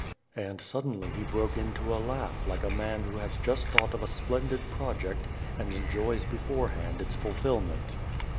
And suddenly he broke into a laugh like a man who has just thought of a splendid project, and enjoys beforehand its fulfillment.